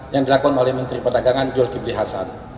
yang dilakukan oleh menteri perdagangan jules ghibli hassan